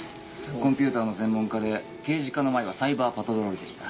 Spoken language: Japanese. コンピューターの専門家で刑事課の前はサイバーパトロールでした。